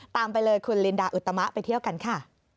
ไปเลยคุณลินดาอุตมะไปเที่ยวกันค่ะ